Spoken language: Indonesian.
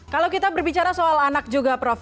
kalau kita berbicara soal anak juga prof